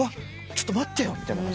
「ちょっと待ってよ。